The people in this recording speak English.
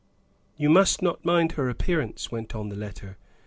"You must not mind her appearance," went on the letter.